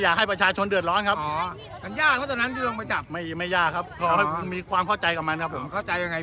มันจะทำร้ายเรายังไง